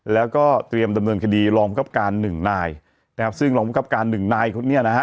แล้วก็เตรียมดำเนินคดีรองบังคับการหนึ่งนายนะครับซึ่งรองประคับการหนึ่งนายคนนี้นะฮะ